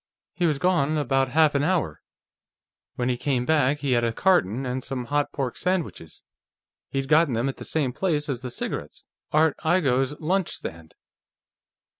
He was gone about half an hour; when he came back, he had a carton, and some hot pork sandwiches. He'd gotten them at the same place as the cigarettes Art Igoe's lunch stand."